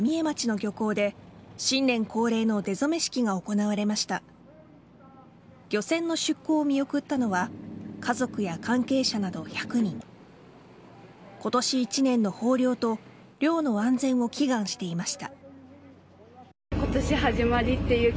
漁船の出港を見送ったのは家族や関係者など１００人今年一年の豊漁と漁の安全を祈願していました。